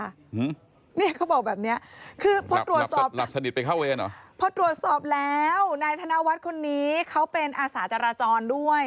หือนี่เขาบอกแบบนี้คือพอตรวจสอบพอตรวจสอบแล้วนายธนวัฒน์คนนี้เขาเป็นอาสาจราจรด้วย